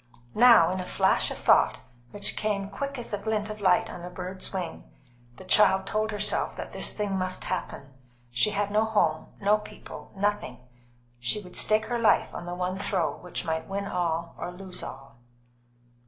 Now, in a flash of thought, which came quick as the glint of light on a bird's wing, the child told herself that this thing must happen. She had no home, no people, nothing; she would stake her life on the one throw which might win all or lose all.